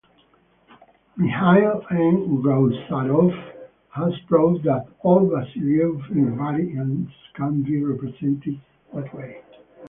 Mikhail N. Goussarov has proved that all Vassiliev invariants can be represented that way.